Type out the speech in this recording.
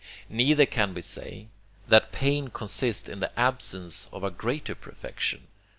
Neither can we say, that pain consists in the absence of a greater perfection.